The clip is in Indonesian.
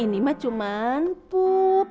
ini mah cuma empuk